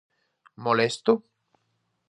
Molesto?